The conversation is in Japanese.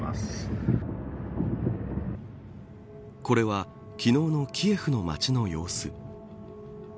これは昨日のキエフの街の様子。